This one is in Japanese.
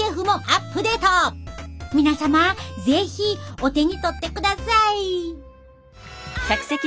皆様是非お手に取ってください。